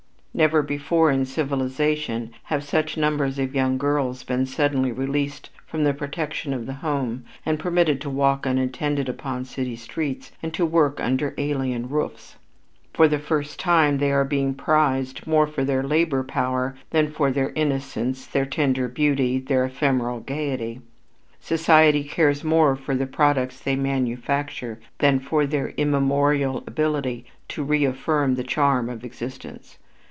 Never before in civilization have such numbers of young girls been suddenly released from the protection of the home and permitted to walk unattended upon city streets and to work under alien roofs; for the first time they are being prized more for their labor power than for their innocence, their tender beauty, their ephemeral gaiety. Society cares more for the products they manufacture than for their immemorial ability to reaffirm the charm of existence.